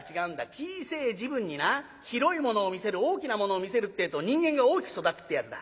小せえ時分にな広いものを見せる大きなものを見せるってえと人間が大きく育つってえやつだ。